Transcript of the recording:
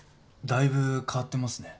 だいぶ変わってますね。